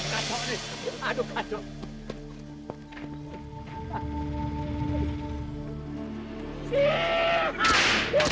wah betul kacau ini aduk aduk